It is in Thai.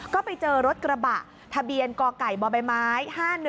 ก็ไปเจอรถกระบะทะเบียนกไก่บใบไม้๕๑